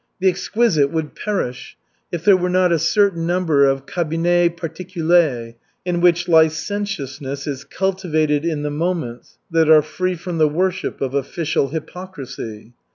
The exquisite would perish if there were not a certain number of cabinets particuliers, in which licentiousness is cultivated in the moments that are free from the worship of official hypocrisy.